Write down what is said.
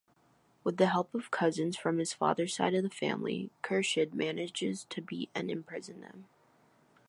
With the help of cousins from his father’s side of the family, Khurshid manages to beat and imprison them.